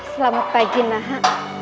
selamat pagi naha